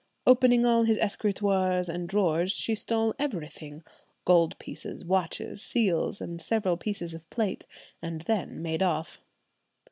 Opening all his escritoires and drawers, she stole everything, gold pieces, watches, seals, and several pieces of plate, and then made off.